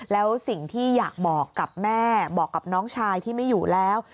แล้วสิ่งที่อยากบอกกับแม่บอกกับน้องชายที่ไม่อยู่แล้ว